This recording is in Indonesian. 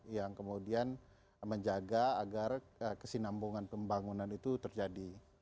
yang kemudian menjaga agar kesinambungan pembangunan itu terjadi